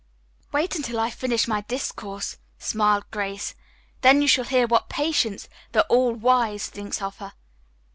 "Wait until I finish my discourse," smiled Grace, "then you shall hear what Patience, the All Wise, thinks of her."